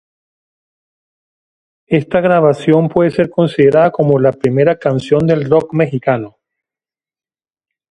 Esta grabación puede ser considerada como la primera canción del Rock Mexicano.